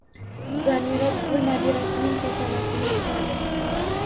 Zamira buvi nabirasining peshonasini ushladi